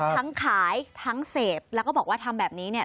ขายทั้งเสพแล้วก็บอกว่าทำแบบนี้เนี่ย